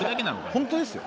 本当ですよ。